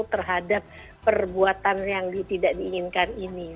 terhadap perbuatan yang tidak diinginkan ini